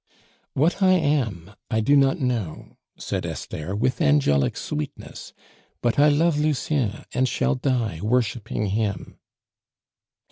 "What I am, I do not know," said Esther with angelic sweetness; "but I love Lucien, and shall die worshiping him."